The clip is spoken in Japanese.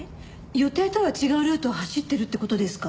予定とは違うルートを走ってるって事ですか？